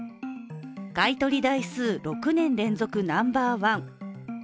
買い取り台数６年連続ナンバーワン。